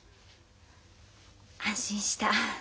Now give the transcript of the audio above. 安心した。